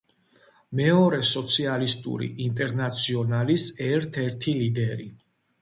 მეორე სოციალისტური ინტერნაციონალის ერთ-ერთი ლიდერი.